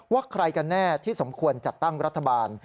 ใครกันแน่ที่สมควรจัดตั้งรัฐบาล